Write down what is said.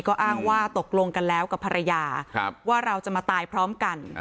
ก็อ้างว่าตกลงกันแล้วกับภรรยาว่าเราจะมาตายพร้อมกัน